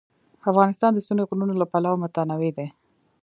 افغانستان د ستوني غرونه له پلوه متنوع دی.